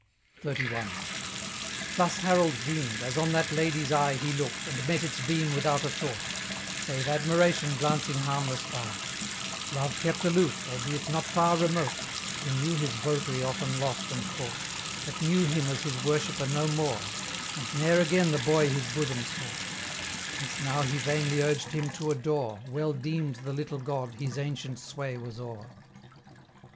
XXXI. Thus Harold deemed, as on that lady's eye He looked, and met its beam without a thought, Save Admiration glancing harmless by: Love kept aloof, albeit not far remote, Who knew his votary often lost and caught, But knew him as his worshipper no more, And ne'er again the boy his bosom sought: Since now he vainly urged him to adore, Well deemed the little god his ancient sway was o'er.